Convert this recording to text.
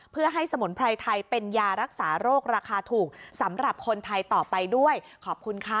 เพื่อให้สมุนไพรไทยเป็นยารักษาโรคราคาถูกสำหรับคนไทยต่อไปด้วยขอบคุณค่ะ